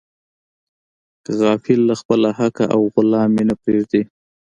غافل له خپله حقه او غلام مې نه پریږدي.